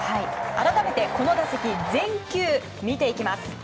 改めて、この打席全球見ていきます。